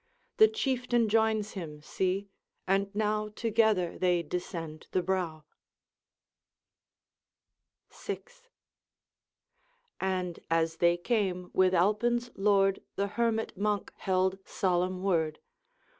The Chieftain joins him, see and now Together they descend the brow.' VI. And, as they came, with Alpine's Lord The Hermit Monk held solemn word